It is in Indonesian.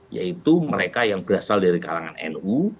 yaitu mereka yang berasal dari kalangan nu